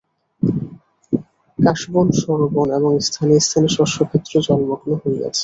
কাশবন শরবন এবং স্থানে স্থানে শস্যক্ষেত্র জলমগ্ন হইয়াছে।